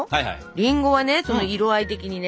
りんごは色合い的にね